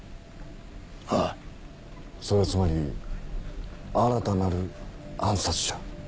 ああそれはつまり新たなる暗殺者？